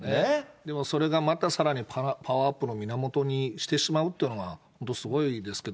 でもそれがまたさらにパワーアップの源にしてしまうというのが、本当、すごいですけど。